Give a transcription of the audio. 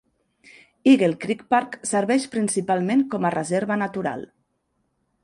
Eagle Creek Park serveix principalment com a reserva natural.